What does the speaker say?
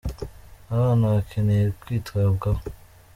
Abana bakeneye kwitabwaho.